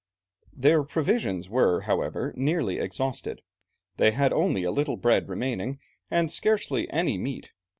Their provisions were, however, nearly exhausted; they had only a little bread remaining and scarcely any meat.